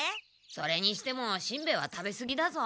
それにしてもしんべヱは食べすぎだぞ。